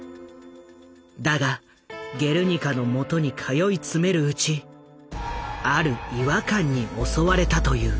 だが「ゲルニカ」のもとに通い詰めるうちある違和感に襲われたという。